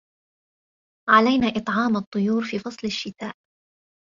علينا إطعام الطيور في فصل الشتاء.